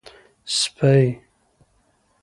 سپۍ